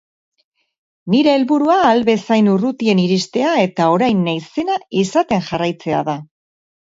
Nire helburua ahal bezain urrutien iristea eta orain naizena izaten jarraitzea da.